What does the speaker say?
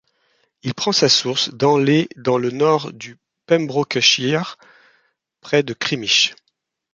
Il prend sa source dans les dans le nord du Pembrokeshire, près de Crymych.